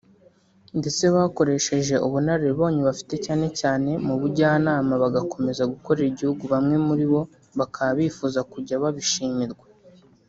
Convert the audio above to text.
ndetse bakoresheje ubunararibonye bafite cyane cyane mu bujyanama bagakomeza gukorera igihugu bamwe muri bo bakaba bifuza kujya babishimirwa